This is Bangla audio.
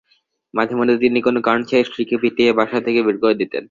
মাঝেমধ্যে তিনি কোনো কারণ ছাড়াই স্ত্রীকে পিটিয়ে বাসা থেকে বের করে দিতেন।